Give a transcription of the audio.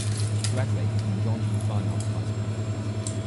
She graduated from Jeonju Fine Arts High School.